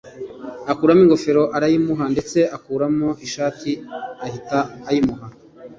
akuramo ingofero arayimuha ndetse akuramo ishati ahita ayimuha